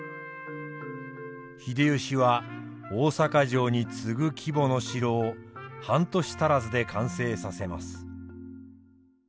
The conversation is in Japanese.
秀吉は大坂城に次ぐ規模の城を半年足らずで完成させます。